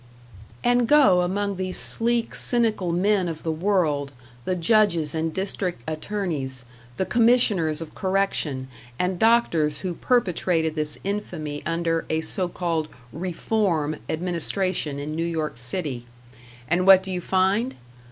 And go among the sleek, cynical men of the world, the judges and district attorneys, the commissioners of correction and doctors who perpetrated this infamy under, a so called "reform" administration in New York City and what do you find?